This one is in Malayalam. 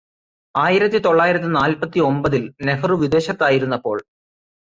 ആയിരത്തി തൊള്ളായിരത്തി നാല്പത്തിയൊമ്പതില് നെഹ്റു വിദേശത്തായിരുന്നപ്പോള്